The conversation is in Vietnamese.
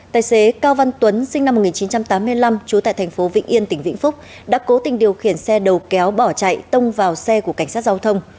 tài xế cao văn tuấn sinh năm một nghìn chín trăm tám mươi năm trú tại thành phố vĩnh yên tỉnh vĩnh phúc đã cố tình điều khiển xe đầu kéo bỏ chạy tông vào xe của cảnh sát giao thông